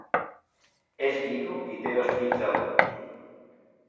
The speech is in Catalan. És vidu i té dos fills adults.